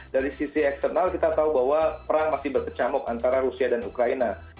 dari sisi eksternal kita tahu bahwa perang masih berkecamuk antara rusia dan ukraina